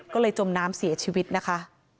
ก็เลยจมน้ำเสียชีวิตนะคะ